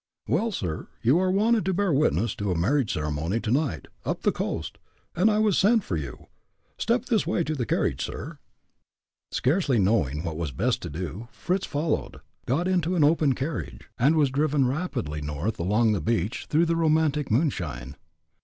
"Well, sir, you are wanted to bear witness to a marriage ceremony, to night, up the coast, and I was sent for you. Step this way, to the carriage, sir." Scarcely knowing what was best to do, Fritz followed, got into an open carriage, and was driven rapidly north along the beach, through the romantic moonshine.